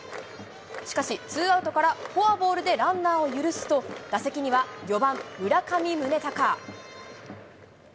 しかし、ツーアウトからフォアボールでランナーを許すと、打席には４番村上宗隆。